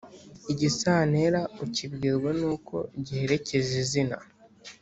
igisantera ukibwirwa n’uko giherekeza izina